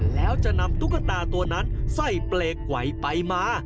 แล้วจะนำตุ๊กตาตัวนั้นใส่เปลกไหวไปมา